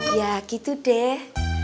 ya gitu deh